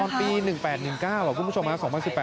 ตอนปี๑๘๑๙คุณผู้ชมมา๒๐๑๘๒๐๑๙